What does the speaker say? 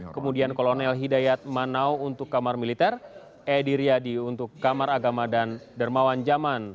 kemudian kolonel hidayat manau untuk kamar militer edy riyadi untuk kamar agama dan dermawan zaman